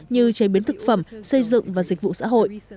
như chế biến thực phẩm xây dựng và dịch vụ xã hội